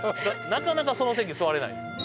なかなかその席座れないんですよ